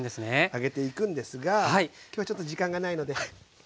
揚げていくんですが今日はちょっと時間がないので。